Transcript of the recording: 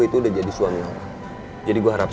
kita akan menunggu